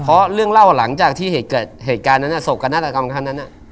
เพราะเรื่องเล่าหลังจากที่เกิดเหตุการณ์นั้นโศกนาฏกรรมครั้งนั้น